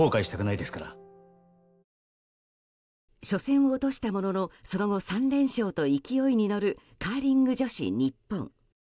初戦を落としたもののその後、３連勝と勢いに乗るカーリング女子日本。